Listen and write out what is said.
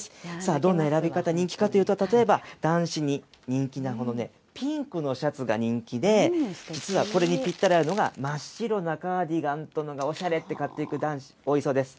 どういう選び方人気かといえば、例えば男子に人気な、このね、ピンクのシャツが人気で、実はこれにぴったり合うのが真っ白なカーディガンというのがおしゃれという男子が多いそうです。